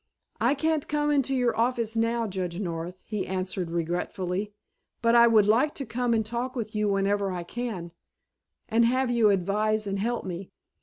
"I can't come into your office now, Judge North," he answered regretfully, "but I would like to come and talk with you whenever I can, and have you advise and help me.